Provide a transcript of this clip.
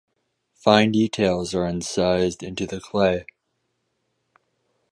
Fine details are incised into the clay.